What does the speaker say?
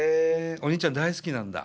お兄ちゃん大好きなんだ。